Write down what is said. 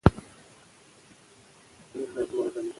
ډاکټر لاکهارټ د هانوې پر ادعاوو استناد کړی دی.